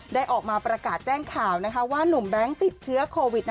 ได้ออกมาประกาศแจ้งข่าวว่านุ่มแบงค์ติดเชื้อโควิด